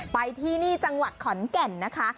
ไปที่นี่จังหวัดขอนแก่นนะคะ